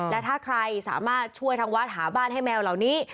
และถ้าใครสามารถช่วยทางวัดหาบ้านให้แมวเหล่านี้